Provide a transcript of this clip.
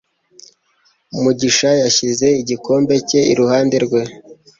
Mugisha yashyize igikombe cye iruhande rwe.